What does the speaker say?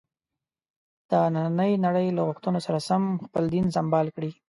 د نننۍ نړۍ له غوښتنو سره سم خپل دین سمبال کړي.